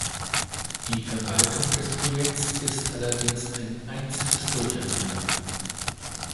Die Verwaltung des Projekts ist allerdings ein einziges Durcheinander.